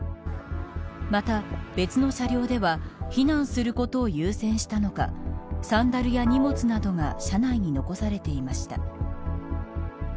また別の車両では避難することを優先したのかサンダルや荷物などが車内に残されていました。